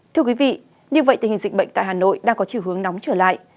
thưa quý vị như vậy tình hình dịch bệnh tại hà nội đang có chiều hướng nóng trở lại